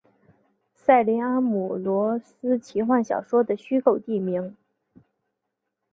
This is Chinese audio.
塞林安姆罗斯奇幻小说的虚构地名。